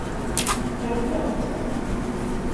Qerrbeɣ-d.